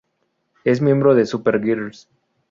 Es miembro de Super Girls.